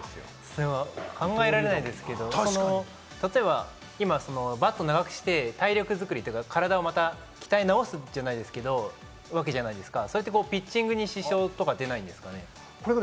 考えられないですけど、例えば今そのバットを長くして、体力作りとか体をまた鍛え直すじゃないですけれど、ピッチングに支障とか出ないんですかね？